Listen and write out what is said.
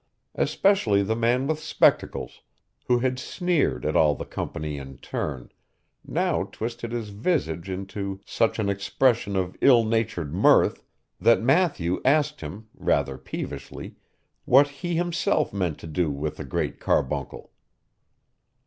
Especially the man with spectacles, who had sneered at all the company in turn, now twisted his visage into such an expression of ill natured mirth, that Matthew asked him, rather peevishly, what he himself meant to do with the Great Carbuncle.